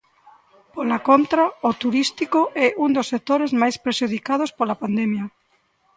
Pola contra, o turístico é un dos sectores máis prexudicados pola pandemia.